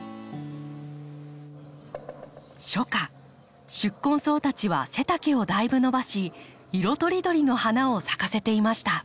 初夏宿根草たちは背丈をだいぶ伸ばし色とりどりの花を咲かせていました。